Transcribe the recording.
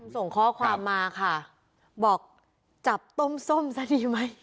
ส่งข้อความมาค่ะบอกจับต้มส้มซะดีไหม